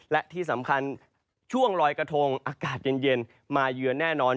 และที่สำคัญช่วงลอยกระทงอากาศเย็นมาเยือนแน่นอน